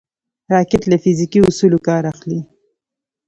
راکټ له فزیکي اصولو کار اخلي